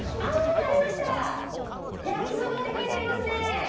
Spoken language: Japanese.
やきそばって書いてありますね。